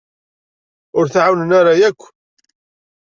Ur t-εawnen ara yakk.